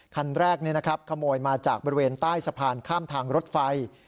คันแรกขโมยมาจากบริเวณใต้สะพานข้ามทางรถไฟ